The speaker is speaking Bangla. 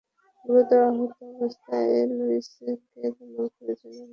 গুরুতর আহত অবস্থায় লাইজুকে জামালপুর জেনারেল হাসপাতালে নেওয়ার পথে তার মৃত্যু হয়।